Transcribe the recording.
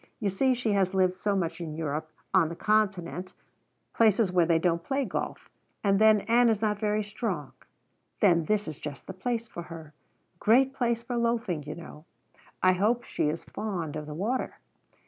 You see she has lived so much in Europe on the Continent places where they don't play golf! And then Ann is not very strong." "Then this is just the place for her. Great place for loafing, you know. I hope she is fond of the water?"